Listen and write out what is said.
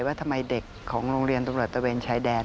ว่าทำไมเด็กของโรงเรียนตรวจตะเวียนไชด่าน